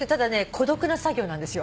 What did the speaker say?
孤独な作業なんですよ。